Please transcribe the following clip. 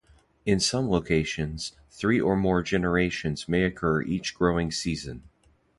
In some locations, three or more generations may occur each growing season.